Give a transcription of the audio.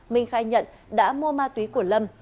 minh khai nhận đã mua ma túy của lâm